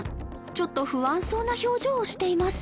ちょっと不安そうな表情をしています